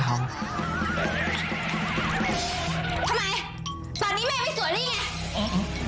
ทำไมตอนนี้แม่ไม่สวยได้ยังไง